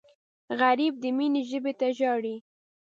غریب د مینې ژبې ته ژاړي